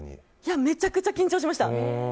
めちゃくちゃ緊張しました。